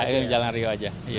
untuk jalan rio aja